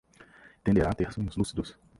Tenderá a ter sonhos lúcidos